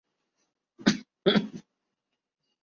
انہیں بات اچھی نہ لگی۔